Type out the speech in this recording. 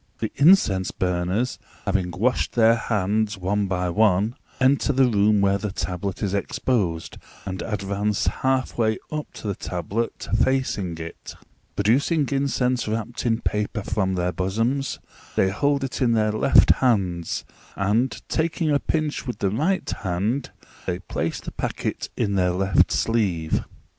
The incense burners, having washed their hands, one by one, enter the room where the tablet is exposed, and advance half way up to the tablet, facing it; producing incense wrapped in paper from their bosoms, they hold it in their left hands, and, taking a pinch with the right hand, they place the packet in their left sleeve.